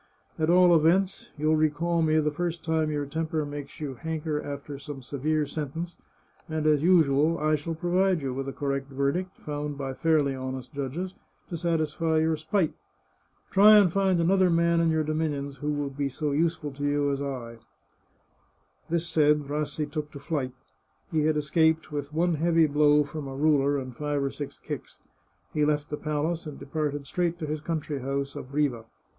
At all events, you'll recall me the first time your temper makes you hanker after some severe sentence, and, as usual, I shall provide you with a correct verdict, found by fairly honest judges, to satisfy your spite. Try and find another man in your do minions as useful to you as I." This said, Rassi took to flight. He had escaped with one hearty blow from a ruler and five or six kicks. He left the palace and departed straight to his country house at Riva.